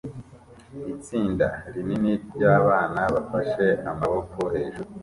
Itsinda rinini ryabana bafashe amaboko hejuru